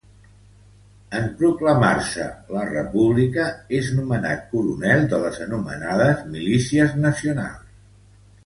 En proclamar-se la República, és nomenat coronel de les anomenades Milícies Nacionals.